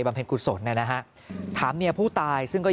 บำเ๑๙๔๗นะฮะถามเมียผู้ตายซึ่งก็